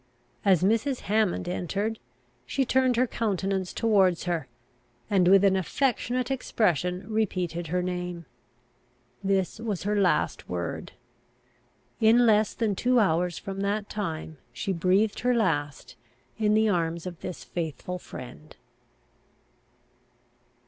As Mrs. Hammond entered, she turned her countenance towards her, and with an affectionate expression repeated her name. This was her last word; in less than two hours from that time she breathed her last in the arms of this faithful friend.